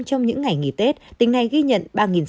trong những ngày nghỉ tết tỉnh này ghi nhận